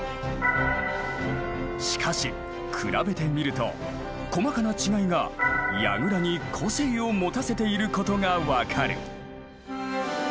しかし比べてみると細かな違いが櫓に個性を持たせていることがわかる。